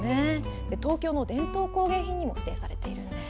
東京の伝統工芸品にも指定されているんです。